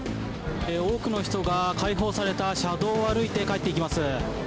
多くの人が開放された車道を歩いて帰っていきます。